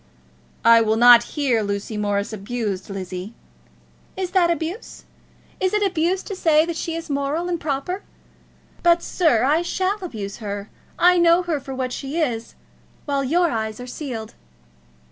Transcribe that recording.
"I will not hear Lucy Morris abused, Lizzie." "Is that abuse? Is it abuse to say that she is moral and proper? But, sir, I shall abuse her. I know her for what she is, while your eyes are sealed.